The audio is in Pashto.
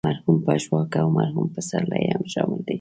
مرحوم پژواک او مرحوم پسرلی هم شامل دي.